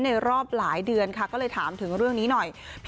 รอบหลายเดือนค่ะก็เลยถามถึงเรื่องนี้หน่อย